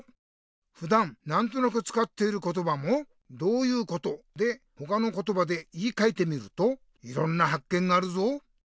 ふだんなんとなくつかっていることばも「どういうこと？」でほかのことばで言いかえてみるといろんなはっけんがあるぞ。